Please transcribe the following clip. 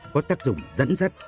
có tác dụng dẫn dắt